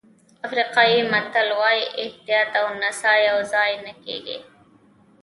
افریقایي متل وایي احتیاط او نڅا یوځای نه کېږي.